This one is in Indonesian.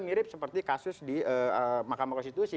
mirip seperti kasus di mahkamah konstitusi